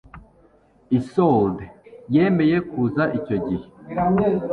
Isolde yemeye kuza icyo gihe